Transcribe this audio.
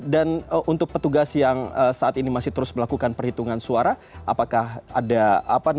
dan untuk petugas yang saat ini masih terus melakukan perhitungan suara apakah itu berhasil